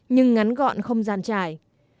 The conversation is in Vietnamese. nhưng ngắn gọn không giàn trải